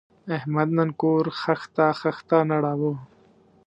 احمد نن کور خښته خښته نړاوه.